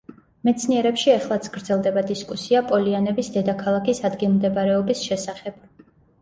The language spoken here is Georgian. მეცნიერებში ეხლაც გრძელდება დისკუსია პოლიანების დედაქალაქის ადგილმდებარეობის შესახებ.